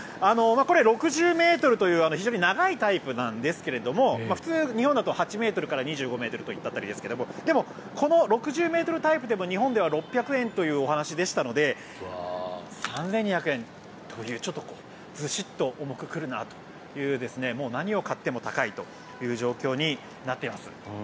これ、６０ｍという非常に長いタイプなんですが普通、日本だと８ｍから２５ｍといった辺りですがでも、この６０ｍタイプでも日本では６００円というお話でしたので３２００円というちょっとずしっと重く来るなという何を買っても高いという状況になっています。